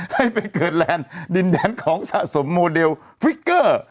ให้ไปเกิดแลนด์ดินแดนของสะสมโมเดลฟิกเกอร์